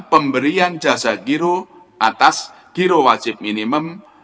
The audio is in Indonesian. pemberian jasa giro atas giro wajib minimum